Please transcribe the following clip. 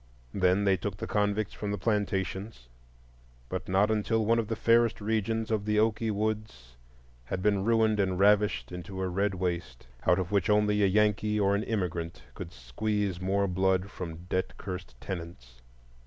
Then they took the convicts from the plantations, but not until one of the fairest regions of the "Oakey Woods" had been ruined and ravished into a red waste, out of which only a Yankee or an immigrant could squeeze more blood from debt cursed tenants.